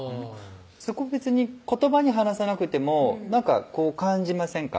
そこは別に言葉に話さなくてもなんかこう感じませんか？